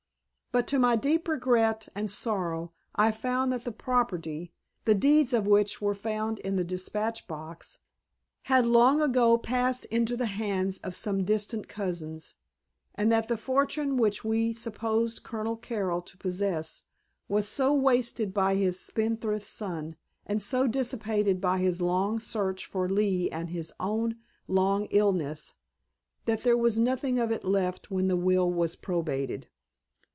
But to my deep regret and sorrow I found that the property, the deeds of which were found in the dispatch box, had long ago passed into the hands of some distant cousins, and that the fortune which we supposed Colonel Carroll to possess was so wasted by his spendthrift son, and so dissipated by his long search for Lee and his own long illness, that there was nothing of it left when the will was probated."